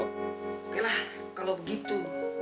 yaudah kalo gitu